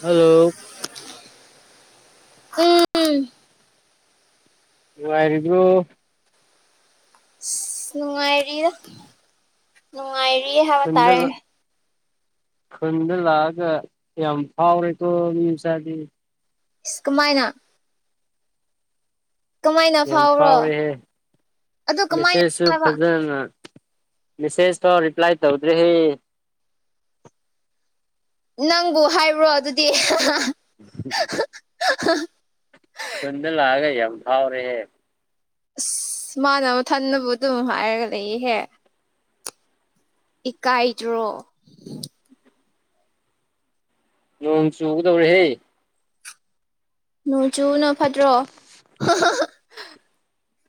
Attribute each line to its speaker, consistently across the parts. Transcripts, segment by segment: Speaker 1: hello
Speaker 2: ꯎꯝ
Speaker 1: ꯍꯥꯏꯔꯤꯕꯣ
Speaker 2: ꯅꯨꯡꯉꯥꯏꯔꯤ ꯅꯨꯡꯉꯥꯏꯔꯤ ꯍꯥꯏꯕ
Speaker 1: ꯈꯨꯟꯗ
Speaker 2: ꯇꯥꯔꯦ
Speaker 1: ꯈꯨꯟꯗ ꯂꯒ ꯌꯥꯝ ꯐꯥꯎꯔꯦ ꯇꯣ ꯃꯤꯁꯗꯤ
Speaker 2: ꯀꯃꯥꯏꯅ ꯀꯃꯥꯏꯅ
Speaker 1: ꯌꯥꯝ
Speaker 2: ꯐꯥꯎꯕ꯭ꯔꯣ
Speaker 1: ꯐꯥꯎꯔꯦꯍꯦ
Speaker 2: ꯑꯗꯨ ꯀꯃꯥꯏꯅ
Speaker 1: ꯃꯦꯁꯦꯖꯁꯨ
Speaker 2: ꯍꯥꯏꯕ
Speaker 1: ꯐꯖꯅ ꯃꯦꯁꯦꯖ ꯇꯣ ꯔꯤꯞ꯭ꯂꯥꯏ ꯇꯧꯗ꯭ꯔꯔꯤ
Speaker 2: ꯅꯪꯕꯨ ꯍꯥꯏꯕ꯭ꯔꯣ ꯑꯗꯨꯗꯤ
Speaker 1: ꯎ
Speaker 2: [unintelligible]
Speaker 1: ꯈꯨꯟꯗꯂ ꯍꯥꯏꯒ ꯐꯥꯎ꯭ꯔꯦꯦ
Speaker 2: ꯑꯁ ꯃꯥꯅꯕ ꯊꯟꯅꯕꯨ ꯑꯗꯨꯝ ꯍꯥꯏꯔꯒ ꯂꯩꯍꯦ ꯏꯀꯥꯏꯗ꯭ꯔꯣ
Speaker 1: ꯅꯣꯡ ꯆꯨꯒꯗꯧꯔꯤꯦ ꯍꯦ
Speaker 2: ꯅꯣꯡ ꯆꯨꯅ ꯐꯠꯇ꯭ꯔꯣ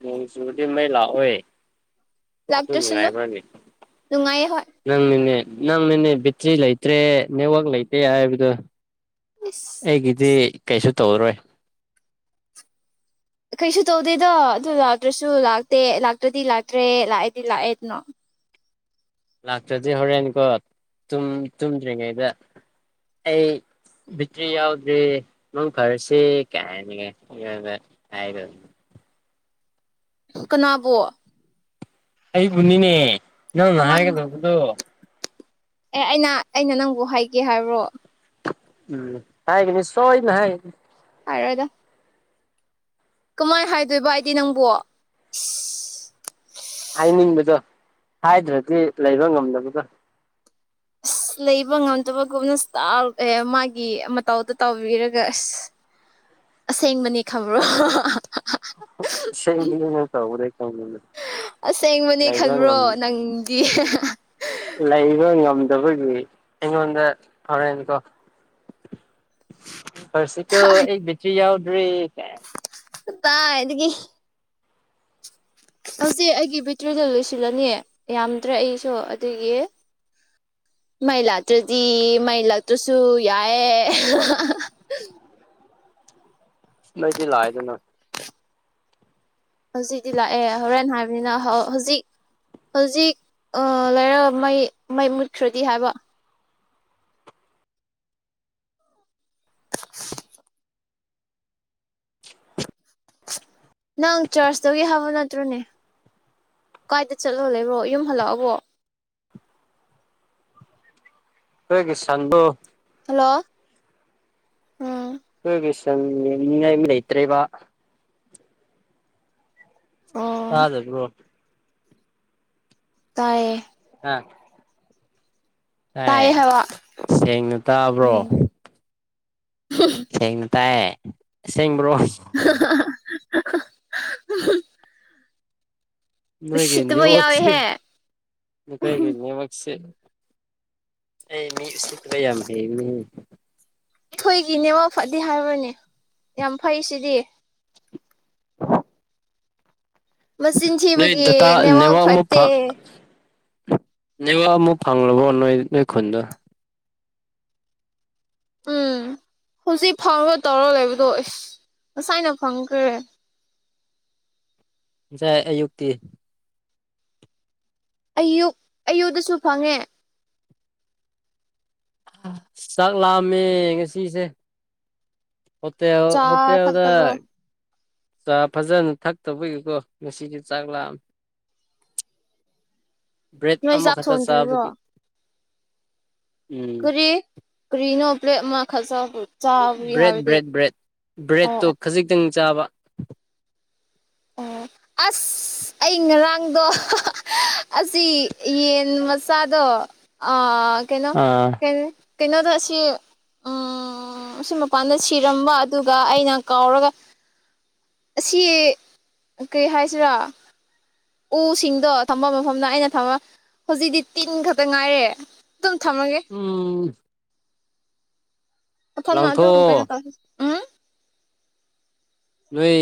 Speaker 1: ꯃ ꯁꯇꯤ ꯃꯩꯂ ꯑꯣꯏꯣꯏ
Speaker 2: ꯂꯥꯛꯇ꯭ꯔꯁꯅꯨ
Speaker 1: ꯉꯕ꯭ꯔꯅꯦ
Speaker 2: ꯅꯨꯡꯉꯥꯏꯌꯦ ꯍꯣꯏ
Speaker 1: ꯅꯪꯅꯤꯅꯦ ꯅꯪꯅꯤꯅꯦ ꯕꯦꯇ꯭ꯔꯤ ꯂꯩꯇ꯭ꯔꯦ ꯅꯦꯠꯋꯛ ꯂꯩꯇꯦ ꯍꯥꯏꯕꯗꯣ
Speaker 2: ꯏꯁ
Speaker 1: ꯑꯩꯒꯤꯗꯤ ꯀꯩꯁꯨ ꯇꯧꯔꯣꯏ
Speaker 2: ꯀꯩꯁꯨ ꯇꯧꯗꯦꯗꯣ ꯑꯗꯨ ꯂꯥꯛꯇ꯭ꯔꯁꯨ ꯂꯥꯛꯇꯦ ꯂꯥꯛꯇ꯭ꯔꯗꯤ ꯂꯥꯛꯇ꯭ꯔꯦ ꯂꯥꯛꯑꯦꯗꯤ ꯂꯥꯛꯑꯦꯗꯅꯣ
Speaker 1: ꯂꯥꯛꯇ꯭ꯔꯗꯤ ꯍꯣꯔꯦꯟꯀꯣ ꯇꯨꯝ ꯇꯨꯝꯗ꯭ꯔꯤꯉꯩꯗ ꯑꯩ ꯕꯤꯇ꯭ꯔꯤ ꯌꯥꯎꯗ꯭ꯔꯦ ꯃꯪ ꯐꯔꯁꯦ ꯀꯥꯏꯅꯒ ꯑꯩꯉꫭꯟꯗ ꯍꯥꯏꯒ
Speaker 2: ꯀꯅꯥꯕꯨ
Speaker 1: ꯑꯩꯏ ꯕꯨꯅꯤꯅꯦ ꯅꯪꯅ
Speaker 2: ꯀꯃꯥꯏꯅ
Speaker 1: ꯍꯥꯒꯗꯕꯗꯨ
Speaker 2: ꯑꯦ ꯑꯩꯅ ꯑꯩꯅ ꯅꯪꯕꯨ ꯍꯥꯏꯒꯦ ꯍꯥꯏꯕ꯭ꯔꯣ
Speaker 1: ꯎꯝ ꯍꯥꯏꯒꯅꯤ ꯁꫭꯏꯗꯅ ꯍꯥꯏꯒꯅꯤ
Speaker 2: ꯍꯥꯏꯔꯒ ꯀꯃꯥꯏ ꯍꯥꯏꯗꯣꯏꯕ ꯑꯩꯗꯤ ꯅꯪꯕꯨ ꯏꯁ
Speaker 1: ꯍꯥꯏꯅꯤꯡꯕꯗꯣ ꯍꯥꯏꯗ꯭ꯔꯗꯤ ꯂꯩꯕ ꯉꯝꯗꯕꯗꫭ [inaudible]
Speaker 2: ꯑꯁ ꯂꯩꯕ ꯉꯝꯗꯕꯒꯨꯝꯅ ꯁꯇꯥꯜ ꯑꯦ ꯃꯥꯒꯤ ꯃꯇꯧꯗ ꯇꯥꯎꯕꯤꯔꯒ ꯑꯁ ꯑꯁꯦꯡꯕꯅꯤ ꯈꯕ꯭ꯔꯣ
Speaker 1: ꯁꯦꯜꯒꯤꯗꯨꯅ ꯇꯧꯕꯗꯩ ꯗꯪꯕꯅꯦ
Speaker 2: ꯑꯁꯦꯡꯕꯅꯦ ꯈꯟꯕ꯭ꯔꯣ ꯅꯪꯗꯤ
Speaker 1: ꯂꯩꯕ ꯉꯝ ꯗꯕꯒꯤ ꯑꯩꯉꫭꯟꯗ [unintelligible] ꯐꯔꯁꯤꯀꫭ ꯑꯩ ꯕꯤꯇ꯭ꯔꯤ ꯌꯥꯎꯗ꯭ꯔꯦ ꯀꯥꯏ
Speaker 2: ꯀꯗꯥꯏꯗꯒꯤ ꯍꯧꯖꯤꯛ ꯑꯩꯒꯤ ꯕꯦꯇ꯭ꯔꯤꯗꯨ ꯂꯣꯏꯁꯤꯜꯂꯅꯤ ꯌꯥꯝꯗ꯭ꯔꯦ ꯑꯩꯁꯨ ꯑꯗꯨꯒꯤ
Speaker 1: [inaudible]
Speaker 2: ꯃꯩ ꯂꯥꯛꯇ꯭ꯔꯗꯤ ꯃꯩ ꯂꯥꯛꯇ꯭ꯔꯁꯨ ꯌꯥꯏꯌꯦ
Speaker 1: ꯃꯩꯗꯤ ꯂꯥꯛꯑꯦꯗꯅ
Speaker 2: ꯍꯧꯖꯤꯛꯇꯤ ꯂꯥꯛꯑꯦ ꯍꯣꯔꯦꯟ ꯍꯥꯏꯕꯅꯤꯅ ꯍꯧ ꯍꯧꯖꯤꯛ ꯍꯧꯖꯤꯛ ꯑ ꯂꯩꯔꯒ ꯃꯩ ꯃꯩ ꯃꯨꯠꯈ꯭ꯔꯗꯤ ꯍꯥꯏꯕ ꯅꯪ ꯆꯔꯆꯇꯒꯤ ꯍꯥꯞꯕ ꯅꯠꯇ꯭ꯔꯣꯅꯦ ꯀꯥꯏꯗ ꯆꯠꯂ ꯂꯩꯕ꯭ꯔꯣ ꯌꯨꯝ ꯍꯜꯂꯛꯑꯕꯣ
Speaker 1: ꯍꯣꯏꯒꯤ ꯁꯟꯗꯣ
Speaker 2: ꯍꯂꯣ ꯎꯝ
Speaker 1: ꯍꯣꯏꯒꯤ ꯁꯟ ꯌꯦꯡꯕꯤꯅꯤꯉꯥꯏ ꯃꯤ ꯂꯩꯇ꯭ꯔꯦꯕ
Speaker 2: ꯑꯣ
Speaker 1: ꯇꯥꯗꯕ꯭ꯔꯣ
Speaker 2: ꯇꯥꯏꯌꯦ
Speaker 1: [inaudible] ꯇꯥꯏ
Speaker 2: ꯇꯥꯏꯌꯦ ꯍꯥꯏꯕ
Speaker 1: ꯁꯦꯡꯅ ꯇꯥꯕ꯭ꯔꯣ
Speaker 2: ꯎꯝ
Speaker 1: ꯁꯦꯡꯅ ꯇꯥꯏꯌꯦ ꯑꯁꯦꯡꯕ꯭ꯔꯣ
Speaker 2: [inaudible]
Speaker 1: ꯅꫭꯏꯒꯤ
Speaker 2: ꯎꯁꯤꯠꯇꯕ
Speaker 1: ꯅꯦꯠꯋꯛꯁꯦ
Speaker 2: ꯌꯥꯎꯋꯦꯍꯦ
Speaker 1: ꯅꯈꫭꯏꯒꯤ ꯅꯦꯋꯛꯁꯦ ꯑꯩ ꯃꯤ ꯎꯁꯤꯠꯇꯕ ꯌꯥꯝ ꯍꯩꯕꯅꯤꯅꯦ
Speaker 2: ꯑꯩꯈꫭꯏꯒꯤ ꯅꯦꯠꯋꯛ ꯐꯠꯗꯦ ꯍꯥꯏꯕ꯭ꯔꯅꯦ ꯌꯥꯝ ꯐꯩ ꯁꯤꯗꯤ ꯃꯆꯤꯟ
Speaker 1: ꯅꯣꯏ
Speaker 2: ꯊꯤꯕꯒꯤ
Speaker 1: ꯗꯇꯥ
Speaker 2: ꯅꯦꯠꯋꯥꯛ
Speaker 1: ꯅꯦꯋꯥꯛ
Speaker 2: ꯐꯠꯇꯦ
Speaker 1: ꯃꯐꯥ ꯅꯦꯋꯥꯛ ꯑꯃꯨꯛ ꯐꯥꯒ꯭ꯔꯕꫭ ꯅꫭꯏ ꯅꯣꯏ ꯈꯨꯟꯗ
Speaker 2: ꯎꯝ
Speaker 1: [inaudible]
Speaker 2: ꯍꯧꯖꯤꯛ ꯐꯥꯎꯕ ꯇꯧꯔꯒ ꯂꯩꯕꯗꯣ ꯏꯁ ꯉꯁꯥꯏꯅ ꯐꯪꯈ꯭ꯔꯦ
Speaker 1: ꯉꯁꯥꯏ ꯑꯌꯨꯛꯇꯤ
Speaker 2: ꯑꯌꯨꯛ ꯑꯌꯨꯗꯁꯨ ꯐꯪꯉꯦ
Speaker 1: ꯑꯥ ꯆꯥꯛ ꯂꯥꯝꯃꯦ ꯉꯁꯤꯁꯦ ꯍꫭꯇꯦꯜ
Speaker 2: ꯆꯥ
Speaker 1: ꯍꫭꯇꯦꯜꯗ
Speaker 2: ꯊꯛꯇꯕ꯭ꯔꯣ
Speaker 1: ꯆꯥ ꯐꯖꯅ ꯊꯛꯇꯧꯕꯒꯤꯀꯣ ꯉꯁꯤꯗꯤ ꯆꯥꯛ ꯂꯥꯑꯃꯦ ꯕ꯭ꯦꯠ
Speaker 2: ꯅꯣꯏ ꯆꯥꯛ
Speaker 1: ꯑꯃꯈꯛꯇ
Speaker 2: ꯊꯣꯡꯗ꯭ꯔꯤꯕ꯭ꯔꯣ
Speaker 1: ꯆꯥꯕꯒꯤ ꯎꯝ
Speaker 2: ꯀꯔꯤ ꯀꯔꯤꯅꯣꯂ ꯃꯥ ꯈꯥꯁꯄ
Speaker 1: ꯕ꯭ꯔꯦꯗ ꯕ꯭ꯔꯦꯗ ꯕ꯭ꯔꯦꯗ
Speaker 2: ꯑꯣ
Speaker 1: ꯕ꯭ꯔꯦꯠꯇꯣ ꯈꯖꯤꯛꯇꯪ ꯆꯥꯕ
Speaker 2: ꯑꯣ
Speaker 1: [inaudible]
Speaker 2: ꯑꯁ ꯑꯩ ꯉꯔꯥꯡꯗꯣ ꯑꯁꯤ ꯌꯦꯟ ꯃꯆꯥꯗꯣ ꯑ ꯀꯩꯅꯣ
Speaker 1: ꯑꯥ
Speaker 2: ꯀ ꯀꯩꯅꯣꯗ ꯁꯤ ꯎꯝ ꯁꯤ ꯃꯄꯥꯟꯗ ꯁꯤꯔꯝꯕ ꯑꯗꯨꯒ ꯑꯩꯅ ꯀꯥꯎꯔꯒ ꯑꯁꯤ ꯀꯔꯤ ꯍꯥꯏꯁꯤꯔꯥ ꯎꯁꯤꯡꯗꯣ ꯊꯝꯕ ꯃꯐꯝꯗ ꯑꯩꯅ ꯊꯃ ꯍꯧꯖꯤꯛꯇꯤ ꯇꯤꯟ ꯈꯛꯇ ꯉꯥꯏꯔꯦ ꯑꯗꯨꯝ ꯊꯝꯃꯒꯦ
Speaker 1: ꯎꯝ
Speaker 2: ꯄ ꯐꯝꯅ
Speaker 1: ꯂꯥꯡꯊꯣꯛꯑꯣ
Speaker 2: ꯑꯗꯨꯀꯥꯏꯅ ꯇꯧꯦ ꯎꯝ
Speaker 1: ꯅꯣꯏ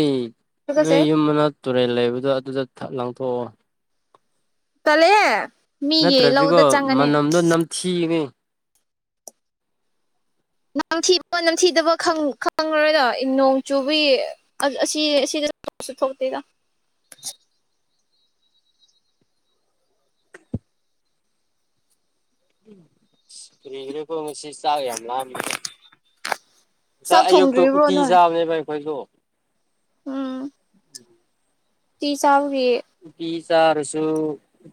Speaker 1: ꯅꯣꯏ
Speaker 2: ꯇꯨꯀꯠꯆꯩ
Speaker 1: ꯌꯨꯝ ꯃꯅ ꯇꯨꯔꯦꯜ ꯂꯩꯕꯗꯣ ꯑꯗꯨꯗ ꯂꯥꯡꯊꯣꯛꯑꯣ
Speaker 2: ꯆꯂꯑꯦ ꯃꯤꯒꯤ
Speaker 1: ꯅꯠꯇ꯭ꯔꯗꯤꯀꯣ
Speaker 2: ꯂꯧꯗ ꯆꯪꯒꯅꯤ
Speaker 1: ꯃꯅꯝꯗꯣ ꯅꯝꯊꯤꯒꯅꯤ
Speaker 2: ꯅꯝꯊꯤꯕ ꯅꯝꯊꯤꯗꯕ ꯈꯪꯂꯪꯂꯣꯏꯗ ꯅꯣꯡ ꯆꯨꯕꯤ ꯑꯁꯤꯗ ꯊꯣꯛꯇꯒ
Speaker 1: ꯏꯁꯄ꯭ꯔꯤꯒꯔꯦ ꯀ ꯉꯁꯤ ꯆꯥꯛ ꯌꯥꯝ ꯂꯥꯝꯃꯦꯥꯛ
Speaker 2: ꯆꯥꯛ
Speaker 1: ꯑꯌꯨꯛꯇꯨ
Speaker 2: ꯊꯣꯡꯗ꯭ꯔꯤꯕ꯭ꯔꯣ
Speaker 1: ꯎꯇꯤ
Speaker 2: ꯅꯣꯏ
Speaker 1: ꯆꯥꯕꯅꯦꯕ ꯑꯩꯈꯣꯏꯁꯨꯣ ꯎꯝ
Speaker 2: ꯇ ꯆ
Speaker 1: ꯄꯤꯤꯁꯥ ꯑꯔꯁꯨ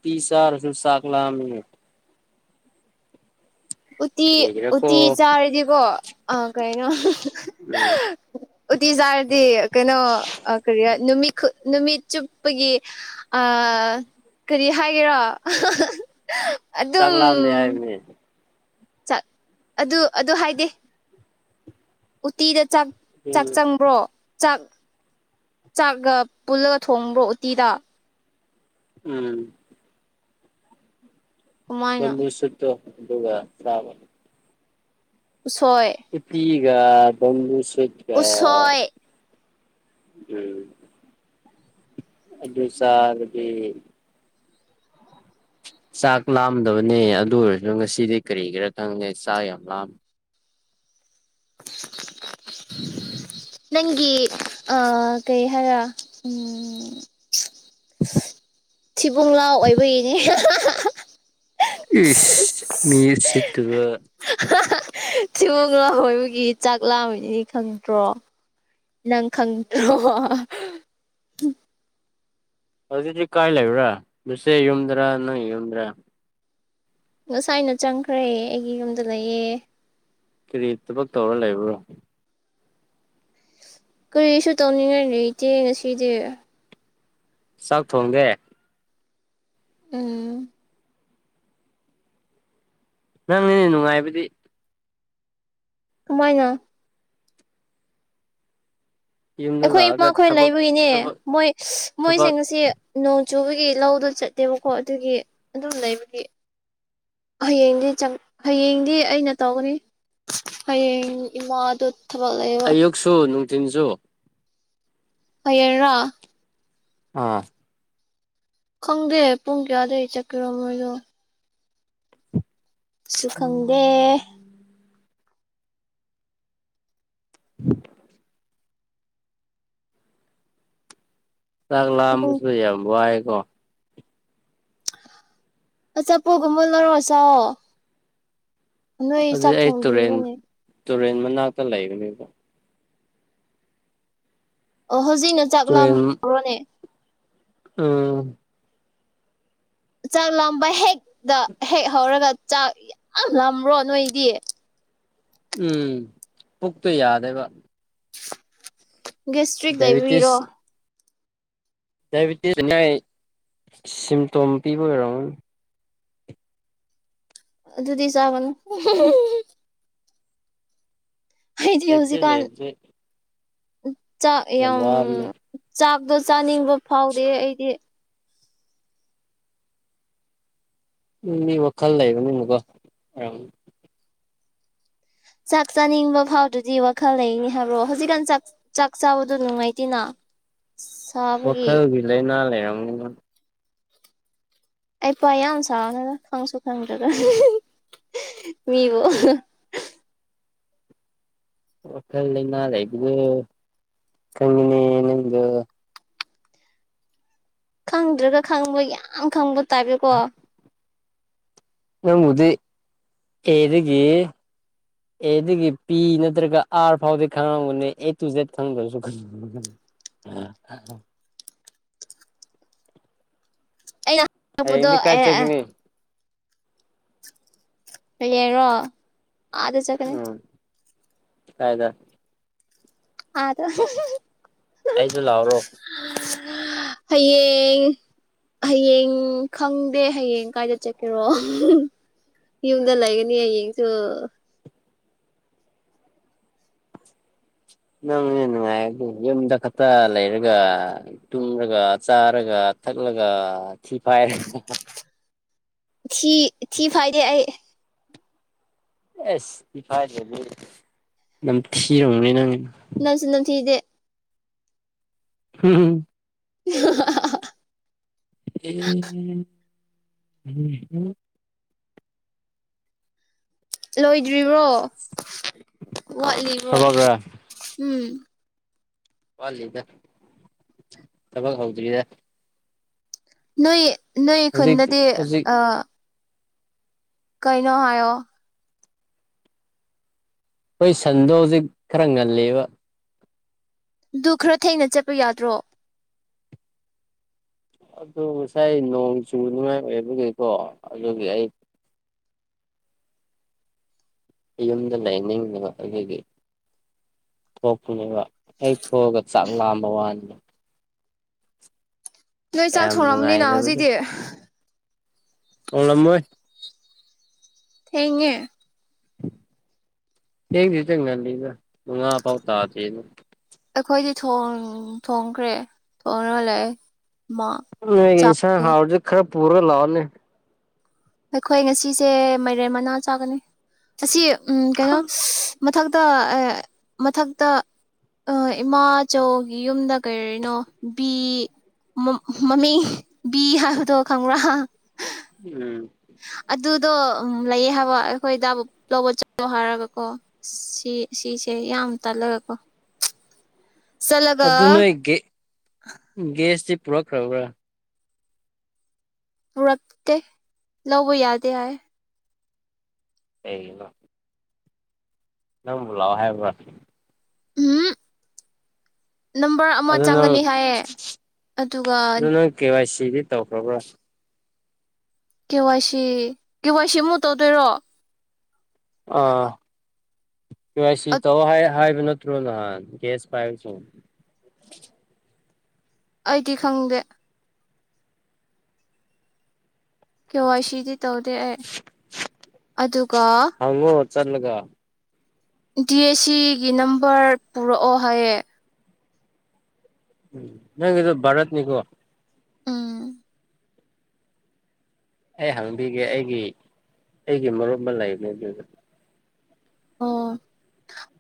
Speaker 1: ꯄꯤꯤꯁꯥ ꯑꯔꯁꯨ ꯁꯥꯒꯂꯥ
Speaker 2: ꯎꯇ
Speaker 1: ꯀꯔꯤꯒꯤꯔꯀꯣ
Speaker 2: ꯎꯇ ꯆꯥꯔꯗꯤꯀꯣ ꯑꯥ ꯀꯩꯅꯣ ꯎꯠꯇꯤ ꯆꯥꯔꯗꯤ ꯀꯩꯅꯣ ꯀꯔꯤ ꯅꯨꯃꯤꯠ ꯅꯨꯃꯤꯠ ꯆꯨꯞꯄꯒꯤ ꯑ ꯀꯔꯤ ꯍꯥꯏꯒꯦꯔꯣ
Speaker 1: ꯆꯥꯛ
Speaker 2: ꯑꯗꯨꯝ
Speaker 1: ꯂꯥꯝꯗꯦ ꯍꯥꯏꯕꯅꯦ
Speaker 2: ꯑꯗꯨ ꯑꯗꯨ ꯍꯥꯏꯗꯦ ꯎꯇꯤꯗ ꯆꯥꯛ ꯆꯪꯕ꯭ꯔꯣ ꯆꯥꯛ ꯆꯥꯛꯒ ꯄꯨꯜꯂꯒ ꯊꯣꯡꯕ꯭ꯔꯣ ꯎꯇꯤꯗ
Speaker 1: ꯎꯝ
Speaker 2: ꯀꯃꯥꯏꯅ
Speaker 1: ꯁꯠꯇꯣ ꯑꯗꯨꯒꯕꯕ
Speaker 2: ꯁꯣꯏ
Speaker 1: ꯀ ꯨꯁꯦꯠ ꯀ
Speaker 2: ꯎꯁꯣꯏ
Speaker 1: ꯎꯝ ꯑꯗꯨꯁꯔꯕꯤ ꯆꯥꯛ ꯂꯥꯝꯗꯕꯅꯦ ꯑꯗꯨ ꯑꯣꯏꯔꯁꯨ ꯉꯁꯤꯗꯤ ꯀꯔꯤꯒꯤꯔ ꯈꯪꯅꯦꯦ ꯆꯥꯛ ꯌꯥꯝ ꯂꯥꯃꯤ [inaudible]
Speaker 2: ꯅꯪꯒꯤ ꯑ ꯀꯩ ꯍꯥꯏꯔ ꯎꯝ ꯊꯤꯕꯨꯡꯂꯥꯎ ꯑꯣꯏꯕꯒꯤꯅꯦ
Speaker 1: ꯏꯁ ꯃꯤꯔꯁꯤꯗꯨꯕ
Speaker 2: ꯊꯤꯒꯣ ꯂꯥ ꯍꯣꯏꯕꯒꯤ ꯆꯥꯛ ꯂꯥꯕꯅꯤꯅꯤ ꯈꯪꯗ꯭ꯔꯣ ꯅꯪ ꯈꯪꯗ꯭ꯔꯣ
Speaker 1: ꯍꯧꯖꯤꯛꯗꯤ ꯀꯥꯏ ꯂꯩꯕ꯭ꯔꯥ ꯃꯁꯦ ꯌꯨꯝꯗ꯭ꯔꯥ ꯅꯪ ꯌꯨꯝꯗ꯭ꯔꯥ
Speaker 2: ꯉꯁꯥꯏꯩꯅ ꯆꯪꯈ꯭ꯔꯦ ꯑꯩꯒꯤ ꯌꯨꯝꯗ ꯂꯩꯌꯦ
Speaker 1: ꯀꯔꯤ ꯊꯕꯛ ꯇꯧꯔ ꯂꯩꯕ꯭ꯔꯣ
Speaker 2: ꯀꯔꯤꯁꯨ ꯇꯧꯅꯤꯡꯉꯥꯏꯅꯤ ꯏꯇꯦ ꯉꯁꯤꯗꯤ
Speaker 1: ꯆꯥꯛ ꯊꯣꯡꯒꯦ
Speaker 2: ꯎꯝ
Speaker 1: ꯅꯪꯅꯤꯅꯦ ꯅꯨꯡꯉꯥꯏꯕꯗꯤ
Speaker 2: ꯀꯃꯥꯏꯅ
Speaker 1: ꯌꯨꯝꯗ
Speaker 2: ꯑꯩꯈꯣꯏ
Speaker 1: ꯂꯥꯛꯑꯒ
Speaker 2: ꯏꯃꯥꯈꯣꯏ
Speaker 1: ꯊꯕꯛ
Speaker 2: ꯂꯩꯕꯒꯤꯅꯦ
Speaker 1: ꯊꯕꯛ
Speaker 2: ꯃꯣꯏ
Speaker 1: ꯊꯕꯛ
Speaker 2: ꯃꯣꯏꯁꯤꯡꯁꯤ ꯑꯆꯨꯕꯒꯤ ꯂꯧꯗꯣ ꯆꯠꯇꯦꯕꯀꯣ ꯑꯗꯨꯒꯤ ꯑꯗꯨꯝ ꯂꯩꯕꯒꯤ ꯍꯌꯦꯡꯗꯤꯪ ꯍꯌꯦꯡꯗꯤ ꯑꯩꯅ ꯇꯧꯒꯅꯤ ꯍꯌꯦ ꯏꯃ ꯑꯗꯨꯣ
Speaker 1: ꯑꯌꯨꯛꯁꯨ ꯅꯨꯡꯊꯤꯟꯁꯨ
Speaker 2: ꯍꯌꯦꯔꯔꯥ
Speaker 1: ꯑꯥ [inaudible]
Speaker 2: ꯈꯪꯗꯦ ꯄꯨꯡ ꯀꯌꯥꯗꯒꯤꯩ ꯆꯠꯀꯔꯣ ꯃꯣꯏꯗꯣ ꯁꯨ ꯈꯪꯗꯦ
Speaker 1: ꯎ [inaudible] ꯆ
Speaker 2: ꯎꯝ
Speaker 1: ꯂꯥꯑꯁꯨ ꯌꯥꯑꯕꯥꯏꯀꯣ
Speaker 2: ꯑꯆꯥꯄꯣꯒꯨꯝ ꯃꯜꯅꯔꯣꯆꯥꯣ
Speaker 1: ꯑꯗꯨꯗꯤ ꯑꯩ ꯇꯨꯔꯦꯟ ꯇꯨꯔꯦꯟ ꯃꯅꯥꯛꯇ ꯂꯩꯕꯅꯦꯕ
Speaker 2: ꯑꯣ ꯍꯧꯖꯤꯛꯅ ꯆꯥꯛ
Speaker 1: ꯇꯨꯔꯦꯟ
Speaker 2: ꯂꯥꯃꯧꯔꯣꯅꯦ
Speaker 1: ꯎꯝ [inaudible]
Speaker 2: ꯆꯥꯛ ꯂꯝꯕ ꯍꯦꯛꯇ ꯍꯦꯛ ꯍꯧꯔꯒ ꯆꯥꯛ ꯌꯥꯝ ꯂꯔꯣ ꯅꯣꯏꯗꯤ
Speaker 1: ꯎꯝ ꯄꯨꯈꯛꯇꯨ ꯌꯥꯗ ꯑꯦꯕ
Speaker 2: ꯁꯇ꯭ꯔꯤꯛ ꯂꯩꯕꯤꯔꯣ
Speaker 1: ꯗꯥꯏꯕꯤꯇꯤꯁꯏ ꯁꯤꯝꯇꯣꯝ ꯄꯤꯕ ꯑꯣꯏꯔꯣ
Speaker 2: ꯑꯗꯨ ꯑꯗꯨꯗꯤꯁꯕꯅ
Speaker 1: ꯑꯦꯞꯖ
Speaker 2: ꯍꯧꯖꯤꯛꯀꯥꯟ
Speaker 1: ꯂꯩꯕꯖꯦ
Speaker 2: ꯆꯥꯛ ꯌꯥꯝ ꯆꯥꯛꯇꯣ ꯆꯥꯅꯤꯡꯕ ꯐꯥꯎꯗꯦ ꯑꯩꯗꯤ
Speaker 1: ꯎꯝ ꯃꯤ ꯋꯥꯈꯜ ꯂꯩꯌꯦꯕ ꯃꯤ ꯑꯃꯒ
Speaker 2: ꯆꯥꯛ ꯆꯥꯅꯤꯡꯕ ꯐꯥꯎꯗꯨꯗꯤ ꯋꯥꯈꯜ ꯂꯩꯅꯤ ꯍꯥꯏꯕ꯭ꯔꯣ ꯍꯧꯖꯤꯛꯀꯥꯟ ꯆꯥꯛ ꯆꯥꯛ ꯆꯥꯕꯗꯣ ꯅꯨꯡꯉꯥꯏꯇꯦꯅ
Speaker 1: [unintelligible] [inaudible]
Speaker 2: ꯁꯥꯕꯒꯤ
Speaker 1: ꯋꯥꯈꯔꯒꯤ ꯂꯩ ꯅ ꯂꯩ
Speaker 2: ꯑꯩ ꯄꯋꯥ ꯌꯥꯝ ꯁꯥꯡꯉꯒ ꯈꯪꯁꯨ ꯈꯪꯗꯒ ꯃꯤꯕꯨ
Speaker 1: ꯑꯣ ꯀꯜ ꯅ ꯂꯩ ꯑꯗꯨꯗꯨ ꯀꯪꯉꯅꯤ ꯅꯗꯨ
Speaker 2: ꯈꯪꯗ꯭ꯔꯒ ꯈꯪꯕ ꯌꯥꯝ ꯈꯪꯕ ꯇꯥꯏꯕꯀꯣ
Speaker 1: ꯅꯪꯗꯤ ꯌꯦꯔꯤꯗꯒꯤ ꯑꯦ ꯑꯗꯨꯒꯤ ꯄꯤ ꯅꯠꯇ꯭ꯔꯒ ꯑꯥꯔ ꯐꯥꯎꯗꯤ ꯈꯪꯉꯝꯒꯅꯦ ꯑꯦ ꯇꯨ ꯖꯦꯗ ꯈꯪꯗ꯭ꯔꯁꯨ ꯑ [inaudible]
Speaker 2: ꯄꯗ
Speaker 1: ꯍꯌꯦꯡꯗꯤ ꯀꯥꯏ
Speaker 2: ꯑ [inaudible]
Speaker 1: ꯆꯠꯀꯅꯤ
Speaker 2: ꯌꯦꯡꯔꯣ ꯑꯥꯗ ꯆꯠꯀꯅꯤ
Speaker 1: ꯎꯝ ꯀꯥꯏꯗ
Speaker 2: ꯑꯗꯣ
Speaker 1: ꯑꯩꯁꯨ ꯂꯥꯛꯑꯣꯔꯣ
Speaker 2: ꯍꯌꯦꯡ ꯍꯌꯦꯡ ꯈꯪꯗꯦ ꯍꯌꯦꯡ ꯀꯥꯏꯗ ꯆꯠꯀꯦꯔꯣ ꯏꯃꯗ ꯂ ꯂꯩꯒꯅꯤ ꯌꯦꯡꯁꯨ
Speaker 1: ꯅꯪꯅꯦ ꯅꯨꯡꯉꯥꯏ ꯑꯗꯨꯦ ꯌꯨꯝꯗ ꯈꯛꯇ ꯂꯩꯔꯒ ꯇꯨꯝꯔꯒ ꯆꯥꯔꯒ ꯊꯠꯂꯒ ꯊꯤ ꯐꯥꯏꯔꯦ
Speaker 2: ꯊꯤ ꯊꯤ ꯐꯥꯏꯗꯦ ꯍꯥꯏ
Speaker 1: ꯑꯦꯁ ꯏꯐ ꯅꯝ ꯊꯤꯔꯣꯡ ꯂꯩꯅꯉ
Speaker 2: ꯅꯝꯁꯤ ꯅꯝꯁꯤꯗꯦ
Speaker 1: ꯍꯝ
Speaker 2: [unintelligible] [inaudible]
Speaker 1: ꯍꯝꯝꯝ [inaudible]
Speaker 2: ꯂꯣꯏꯗ꯭ꯔꯤꯕ꯭ꯔꯣ ꯋꯥꯠꯂꯤꯕꯣ
Speaker 1: ꯊꯕꯛꯔꯥ
Speaker 2: ꯎꯝ
Speaker 1: ꯋꯥꯜ ꯏꯗ ꯇꯕꯒ ꯍꯧꯗ꯭ꯔꯤꯗ
Speaker 2: ꯅꯣꯏ ꯅꯣꯏ
Speaker 1: ꯍꯧꯖꯤꯛꯇꯤ
Speaker 2: ꯈꯨꯟꯗꯗꯤ
Speaker 1: ꯍꯧꯖꯤꯛ
Speaker 2: ꯑ ꯀꯩꯅꯣ ꯍꯥꯏꯣ
Speaker 1: ꯑꯩꯣꯏ ꯁꯟꯗꯣ ꯍꯧꯖꯤꯛ ꯈꯔ ꯉꯜꯂꯤꯕ
Speaker 2: ꯑꯗꯨ ꯈꯔ ꯊꯦꯡꯅ ꯆꯠꯄ ꯌꯥꯗ꯭ꯔꯣ
Speaker 1: ꯑꯗꯨ ꯉꯁꯥꯏ ꯅꯣꯡ ꯆꯨꯅꯤꯉꯥꯏ ꯑꯣꯏꯕꯒꯤꯀꯣ ꯑꯗꯨꯒꯤ ꯑꯩ ꯌꯨꯝꯗ ꯂꯩꯅꯤꯡꯕꯒꯤ ꯊꯣꯛꯄꯅꯦꯕ ꯑꯩ ꯊꯣꯛꯑꯒ ꯆꯥꯛ ꯂꯥꯑꯝꯕ ꯋꯥꯅꯤꯗ
Speaker 2: ꯅꯣꯏ ꯆꯥꯛ
Speaker 1: ꯌꯥꯝ
Speaker 2: ꯊꯣꯡꯡꯂꯕꯅꯤꯅ ꯍꯧꯖꯤꯛꯇꯤ
Speaker 1: ꯑꯣꯂꯝꯕ
Speaker 2: ꯊꯦꯡꯉ
Speaker 1: ꯑꯦ ꯇ ꯉ ꯂꯤꯗ ꯃꯨ ꯉ ꯄꯥꯎꯇ
Speaker 2: ꯑꯩꯈꯣꯏꯗꯤ ꯊꯣꯡꯈ꯭ꯔꯦ ꯊꯣꯡꯉ ꯂꯩ ꯃꯥ
Speaker 1: ꯃ ꯏꯁꯥ
Speaker 2: ꯆꯥꯛꯇꯣ
Speaker 1: ꯍꯥꯎꯔꯖ ꯈꯔ ꯄꯔꯒ ꯂꯥꯎꯦ
Speaker 2: ꯑꯩꯈꯣꯏ ꯉꯁꯤꯁꯦ ꯃꯥꯏꯔꯦꯟ ꯃꯅꯥ ꯆꯥꯒꯅꯤ ꯑꯁꯤ ꯎ ꯀꯩꯅꯣ ꯃꯊꯛꯇ ꯃꯊꯛꯇ ꯏꯃꯥꯆꯧꯒꯤ ꯌꯨꯝꯗ ꯀꯔꯤꯔꯤꯅꯣ ꯕꯤ ꯃꯃꯤ ꯕꯤ ꯍꯥꯏꯕꯗꯣ ꯈꯪꯕ꯭ꯔꯥ
Speaker 1: ꯎꯝ
Speaker 2: ꯑꯗꯨꯗꯣ ꯎ ꯂꯩꯌꯦ ꯍꯥꯏꯕ ꯑꯩꯈꯣꯏ ꯗꯥꯕꯨ ꯂꯧꯕ ꯆꯠꯂꯣ ꯍꯥꯏꯔꯒꯀꯣ ꯁꯤ ꯁꯤꯁ ꯌꯥꯝꯝ ꯇꯂꯒꯀꯣ
Speaker 1: ꯑꯗꯨ ꯅꯣꯏ ꯒꯦꯁꯇꯤ ꯄꯨꯔꯛꯈ꯭ꯔꯕ꯭ꯔꯥ
Speaker 2: ꯎꯔꯛꯇꯀ ꯂꯕ ꯌꯥꯗꯦ ꯍꯥꯏꯌꯦ
Speaker 1: ꯑꯩ ꯅꯂꯥꯎꯑꯣ ꯍꯥꯏꯦꯕ꯭ꯔ
Speaker 2: ꯎꯝ ꯅꯝꯕꯔ ꯑꯃ
Speaker 1: ꯑꯗꯨ ꯅꯪ
Speaker 2: ꯆꯪꯒꯅꯤ ꯍꯥꯏꯌꯦ ꯑꯗꯨꯒ
Speaker 1: ꯑꯗꯨ ꯅꯪ ꯀꯦ ꯋꯥꯏ ꯁꯤꯗꯤ ꯇꯧꯈ꯭ꯔꯣꯕ꯭ꯔꯣ
Speaker 2: ꯀꯦ ꯋꯥꯁꯤ ꯀꯦ ꯋꯥꯁꯤꯃꯨ ꯇꯧꯗꯣꯏꯔꯣ
Speaker 1: ꯑꯥ ꯁꯤ ꯇꯧ ꯍꯥꯏꯕ ꯅꯠꯇ꯭ꯔꯣ ꯅꯍꯥꯟ ꯒꯦꯌꯥꯁ ꯄꯥꯏꯕꯁ [inaudible]
Speaker 2: ꯑꯩꯗꯤ ꯈꯪꯗꯦ ꯀꯦ ꯋꯥ ꯁꯤꯗꯤ ꯇꯧꯗꯦ ꯑꯩ ꯑꯗꯨꯒ
Speaker 1: ꯍꯪꯉꯣ ꯆꯠꯂꯒ
Speaker 2: ꯗꯤ ꯑꯦꯁ ꯁꯤꯒꯤ ꯅꯝꯕꯔ ꯄꯨꯔꯛꯑꯣ ꯍꯥꯏꯌꯦꯦ
Speaker 1: ꯎꯝ ꯅꯪ ꯑꯗꯨ ꯔꯠꯅꯤꯒꯣ
Speaker 2: ꯎꯝ
Speaker 1: ꯑꯩ ꯍꯪꯕꯤꯒꯦ ꯑꯩꯒꯤ ꯑꯩꯒꯤ ꯃꯔꯨꯞ ꯑꯃ ꯂꯩꯕꯅꯦ ꯑꯗꯨ
Speaker 2: ꯑꯣ